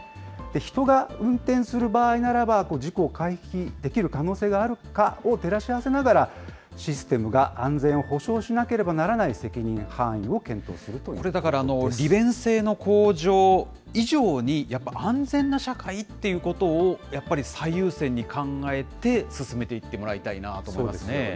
人が運転する場合ならば事故を回避できる可能性があるかを照らし合わせながら、システムが安全を保証しなければならない責任範囲を検討するといこれだから、利便性の向上以上に、やっぱり安全な社会ということをやっぱり最優先に考えて進めていってもらいたいなと思いますね。